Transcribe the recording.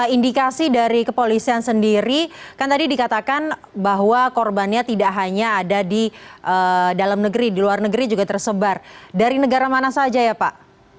indikasi dari kepolisian sendiri kan tadi dikatakan bahwa korbannya tidak hanya ada di dalam negeri di luar negeri juga tersebar dari negara mana saja ya pak